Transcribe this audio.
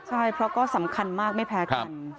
ใช่เพราะก็สำคัญมากไม่แพ้กัน